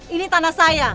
ini tanah saya